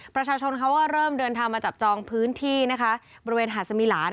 ประชาชนเขาก็เริ่มเดินทางมาจับจองพื้นที่นะคะบริเวณหาดสมิลาน